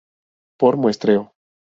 Por muestreo.